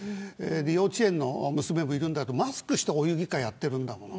幼稚園の娘もいるんだけどマスクしてお遊戯会やっているんだもの。